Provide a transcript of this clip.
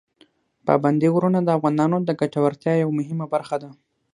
پابندي غرونه د افغانانو د ګټورتیا یوه مهمه برخه ده.